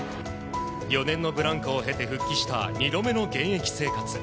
４年のブランクを経て復帰した２度目の現役生活。